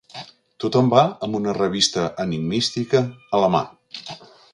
Tothom va amb una revista enigmística a la mà.